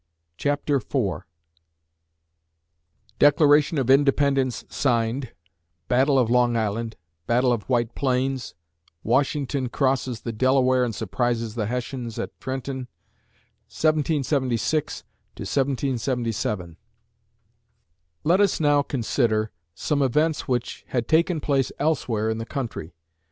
CHAPTER IV DECLARATION OF INDEPENDENCE SIGNED BATTLE OF LONG ISLAND BATTLE OF WHITE PLAINS WASHINGTON CROSSES THE DELAWARE AND SURPRISES THE HESSIANS AT TRENTON 1776 1777 Let us now consider some events which had taken place elsewhere in the country.